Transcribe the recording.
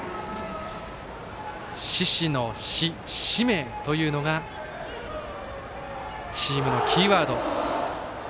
獅子の獅、「獅命」というのがチームのキーワード。